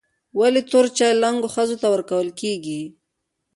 ولي توري چای و لنګو ښځو ته ورکول کیږي؟